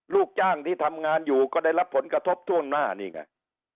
ลูกจ้างที่ทำงานอยู่ก็ได้รับผลกระทบท่วงหน้านี่ไง